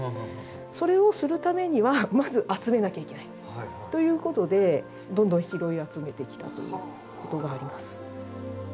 それをするためにはまず集めなきゃいけないということでどんどん拾い集めてきたということがあります。